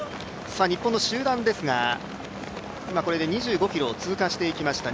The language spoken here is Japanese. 日本の集団ですが今２５ｋｍを通過していきました。